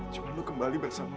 cuman lo kembali bersama gue